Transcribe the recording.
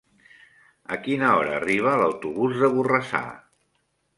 A quina hora arriba l'autobús de Borrassà?